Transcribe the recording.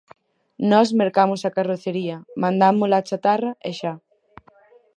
Nós mercamos a carrocería, mandámola a chatarra e xa.